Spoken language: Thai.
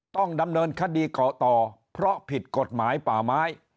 ต้องดำเนินคดีเกาะต่อเพราะผิดกฎหมายป่าไม้